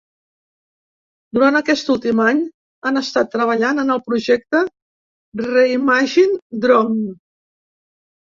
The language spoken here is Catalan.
Durant aquest últim any han estat treballant en el projecte ‘Reimagine Drone’.